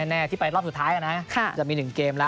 แน่ที่ไปรอบสุดท้ายนะจะมี๑เกมแล้ว